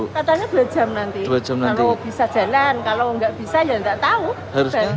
katanya dua jam nanti kalau bisa jalan kalau nggak bisa ya nggak tahu